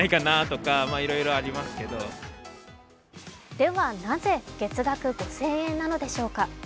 ではなぜ、月額５０００円なのでしょうか。